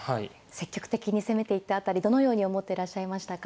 積極的に攻めていった辺りどのように思ってらっしゃいましたか。